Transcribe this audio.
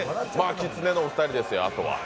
きつねお二人ですよ、あとは。